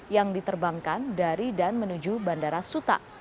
yang diterbangkan dari dan menuju bandara suta